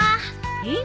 えっ！？